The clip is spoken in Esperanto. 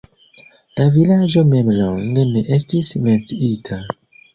La vilaĝo mem longe ne estis menciita.